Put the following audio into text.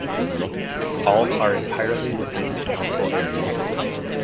All are entirely within the council area.